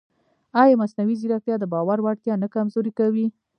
ایا مصنوعي ځیرکتیا د باور وړتیا نه کمزورې کوي؟